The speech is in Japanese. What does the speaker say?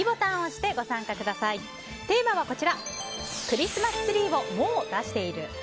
クリスマスツリーをもう出している。